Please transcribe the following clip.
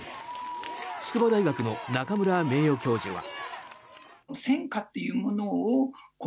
筑波大学の中村名誉教授は。